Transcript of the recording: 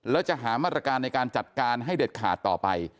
แล้วจะหามาตรการในการจัดการให้เด็ดขาดต่อไป